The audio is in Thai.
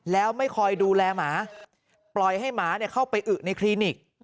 แล้วไม่คอยดูแลหมาปล่อยให้หมาเข้าไปอึในคลินิก